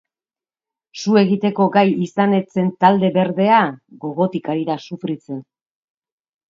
Su egiteko gai izan ez zen talde berdea gogotik ari da sufritzen.